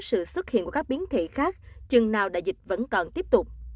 sự xuất hiện của các biến thể khác chừng nào đại dịch vẫn còn tiếp tục